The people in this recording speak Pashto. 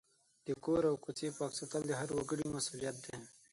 د کور او کوڅې پاک ساتل د هر وګړي مسؤلیت دی.